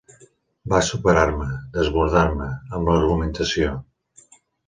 Va superar-me, desbordar-me amb l'argumentació.